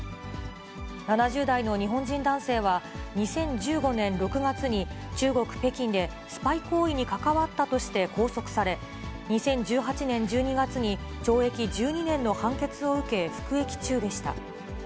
７０代の日本人男性は、２０１５年６月に中国・北京で、スパイ行為に関わったとして拘束され、２０１８年１２月に懲役１２年の判決を受け、服役中でした。